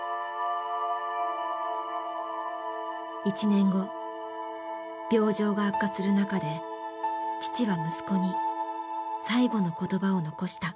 １年後病状が悪化する中で父は息子に最期の言葉を遺した。